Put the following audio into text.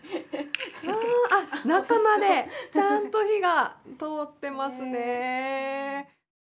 ああっ中までちゃんと火が通ってますね。